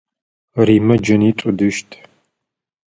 Римэ джэнитӏу ыдыщт.